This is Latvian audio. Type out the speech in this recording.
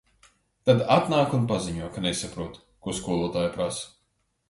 Tad atnāk un paziņo, ka nesaprot, ko skolotāja prasa.